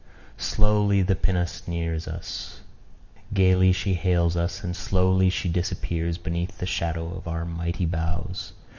Slowly the pinnace nears us, gaily she hails us, and slowly she disappears beneath the shadow of our mighty bows.